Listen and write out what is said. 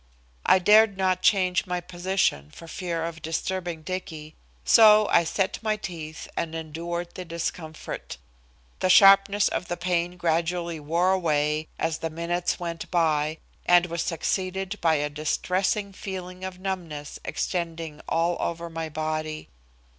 I dared not change my position for fear of disturbing Dicky, so I set my teeth and endured the discomfort. The sharpness of the pain gradually wore away as the minutes went by, and was succeeded by a distressing feeling of numbness extending all over my body.